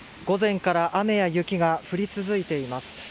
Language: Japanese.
午前から雨や雪が降り続いています。